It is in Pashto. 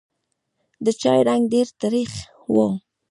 د چای رنګ ډېر تریخ و.